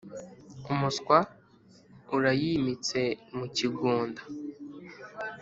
umuswa urayimitse mu kigunda.